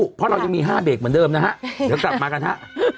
เพราะเรายังมี๕เบรกเหมือนเดิมนะฮะเดี๋ยวกลับมากันฮะ